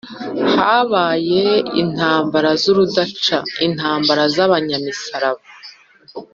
Habaye intambara z’urudaca intambara z’Abanyamisaraba